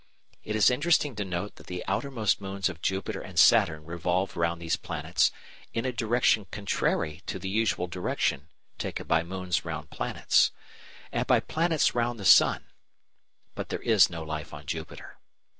It is interesting to note that the outermost moons of Jupiter and Saturn revolve round these planets in a direction contrary to the usual direction taken by moons round planets, and by planets round the sun. But there is no life on Jupiter.